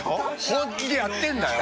本気でやってんだよ。